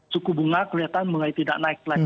suku bunga kelihatan mulai tidak naik lagi